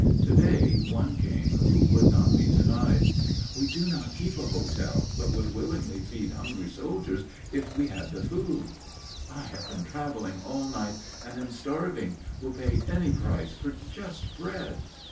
To day one came who would not be denied. "We do not keep a hotel, but would willingly feed hungry soldiers if we had the food." "I have been traveling all night, and am starving; will pay any price for just bread."